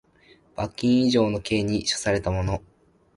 罰金以上の刑に処せられた者